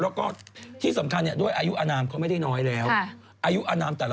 แล้วก็ที่สำคัญด้วยอายุอนามเขาไม่ได้น้อยแล้วอายุอนามแต่ละ